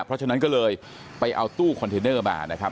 เพราะฉะนั้นก็เลยไปเอาตู้คอนเทนเนอร์มานะครับ